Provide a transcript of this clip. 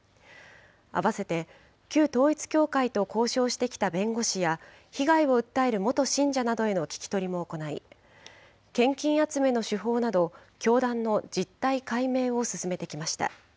あわせて旧統一教会と交渉してきた弁護士や、被害を訴える元信者などへの聞き取りも行い、献金集めの手法など、教団の実態解明を進めてきました。